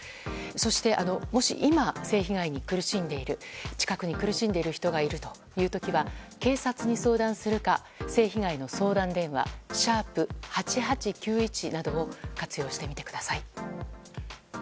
そして、もし今性被害に苦しんでいる近くに苦しんでいるという時は警察に相談するか性被害の相談電話「♯８８９１」などを活用してみてください。